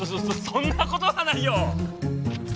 そんなことはないよ！